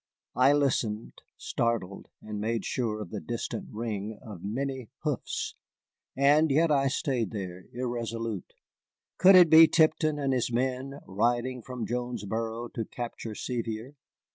I listened, startled, and made sure of the distant ring of many hoofs. And yet I stayed there, irresolute. Could it be Tipton and his men riding from Jonesboro to capture Sevier?